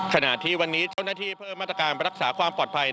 ขณะที่วันนี้เจ้าหน้าที่เพิ่มมาตรการรักษาความปลอดภัย